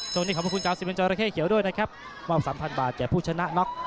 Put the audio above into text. ตรงนี้ขอบคุณคุณเจ้า๑๐บาทเจ้าระเข้เขียวด้วยนะครับมอบ๓๐๐๐บาทแก่ผู้ชนะน็อค